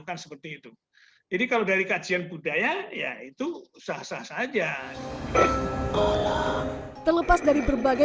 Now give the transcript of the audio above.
kan seperti itu jadi kalau dari kajian budaya ya itu sah sah saja terlepas dari berbagai